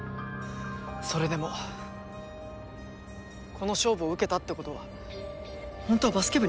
それでもこの勝負を受けたってことは本当はバスケ部に入りたいんじゃ。